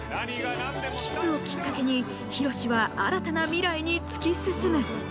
キスをきっかけにヒロシは新たな未来に突き進む。